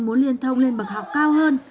muốn liên thông lên bậc học cao hơn